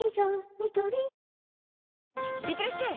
ニトリいってらっしゃい！